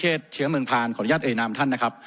ให้ท่านบิเชศเฉียเมืองพาลขออนุญาตเอกนามท่านนะครับ